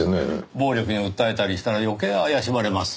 暴力に訴えたりしたら余計怪しまれます。